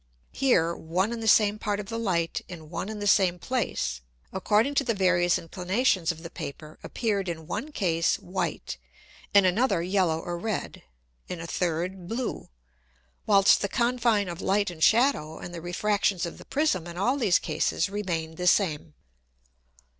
Here one and the same part of the Light in one and the same place, according to the various Inclinations of the Paper, appeared in one case white, in another yellow or red, in a third blue, whilst the Confine of Light and shadow, and the Refractions of the Prism in all these cases remained the same.